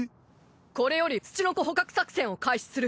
これよりツチノコ捕獲作戦を開始する。